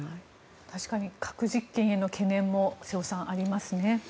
確かに核実験への懸念も瀬尾さん、ありますね。